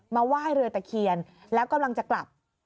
ไหว้เรือตะเคียนแล้วกำลังจะกลับ